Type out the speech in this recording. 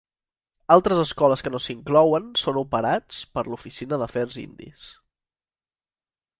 Altres escoles que no s'inclouen són operats per l'Oficina d'Afers Indis.